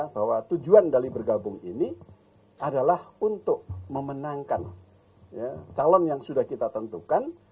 bahwa tujuan dali bergabung ini adalah untuk memenangkan calon yang sudah kita tentukan